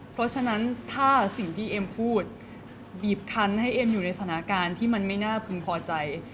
เพราะฉะนั้นถ้าสิ่งที่เอ็มพูดบีบคันให้เอ็มอยู่ในสถานการณ์ที่มันไม่น่าพึงพอใจ